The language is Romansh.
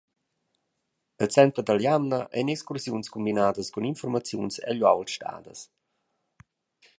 El center dall’jamna ein excursiuns cumbinadas cun informaziuns egl uaul stadas.